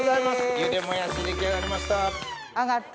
茹でもやし出来上がりました。